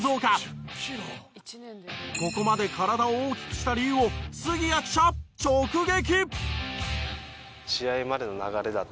ここまで体を大きくした理由を杉谷記者直撃！